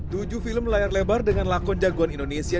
tujuh film layar lebar dengan lakon jagoan indonesia